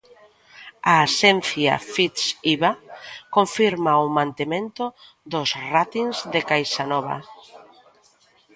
A axencia Fitch-Iba confirma o mantemento dos 'ratings' de Caixanova